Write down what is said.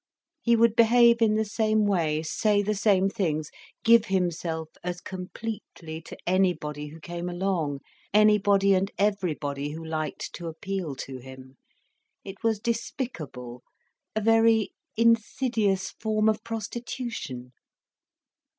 He would behave in the same way, say the same things, give himself as completely to anybody who came along, anybody and everybody who liked to appeal to him. It was despicable, a very insidious form of prostitution.